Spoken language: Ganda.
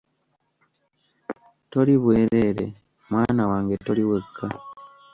Toli bwereere, mwana wange, toli wekka.